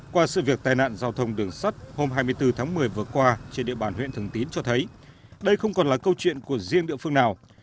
qua sự việc tai nạn giao thông đường sắt hôm hai mươi bốn tháng một mươi vừa qua trên địa bàn huyện thường tín cho thấy đây không còn là câu chuyện của riêng địa phương nào